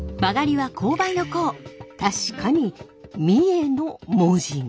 確かに「三重」の文字が！